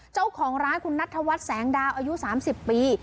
เจ้าของร้านคุณนัทธวัฒน์แสงดาวอายุ๓๐ปี